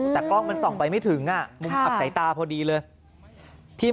แต่กล้องมันส่องไปไม่ถึงมุมอับสายตาพอดีเลย